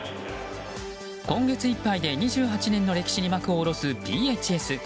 今月いっぱいで２８年の歴史に幕を下ろすＰＨＳ。